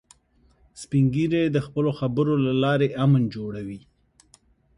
سپین ږیری د خپلو خبرو له لارې امن جوړوي